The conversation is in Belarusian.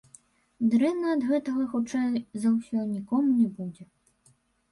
Дрэнна ад гэтага хутчэй за ўсё нікому не будзе.